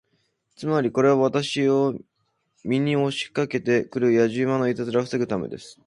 つまり、これは私を見に押しかけて来るやじ馬のいたずらを防ぐためです。